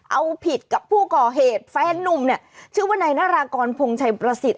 เอาผิดกับผู้ก่อเหตุแฟนนุ่มเนี่ยชื่อว่านายนารากรพงชัยประสิทธิ